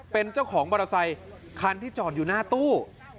เป็นเจ้าของบราษัยคันที่จอดอยู่หน้าตู้